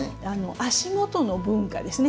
足元の文化ですね。